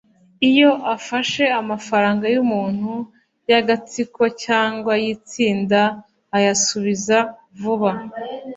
Iyo afashe amafaranga y’umuntu y’agatsiko cyangwa y’itsinda ayasubiza vuba